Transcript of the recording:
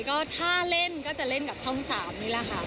ก็ถ้าเล่นก็จะเล่นกับช่อง๓นี่แหละค่ะ